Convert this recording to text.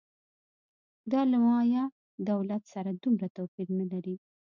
دا له مایا دولت سره دومره توپیر نه لري